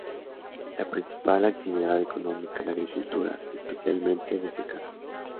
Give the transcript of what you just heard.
La principal actividad económica es la agricultura, especialmente de secano.